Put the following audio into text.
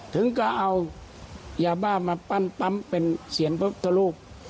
ถึงก็เอายาบ้ามาปั้นปั๊มเป็นเสียงพระพุทธรูป